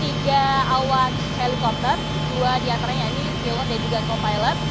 di sini ada tiga awak helikopter dua diantaranya ini pilot dan juga co pilot